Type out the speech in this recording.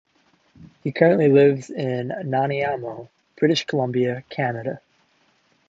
He currently lives in Nanaimo, British Columbia, Canada.